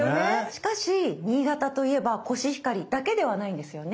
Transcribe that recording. しかし新潟といえばコシヒカリだけではないんですよね。